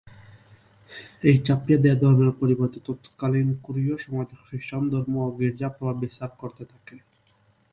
এই চাপিয়ে দেয়া ধর্মের পরিবর্তে ততকালীন কোরীয় সমাজে খ্রিস্টান ধর্ম ও গীর্জা প্রভাব বিস্তার করতে থাকে।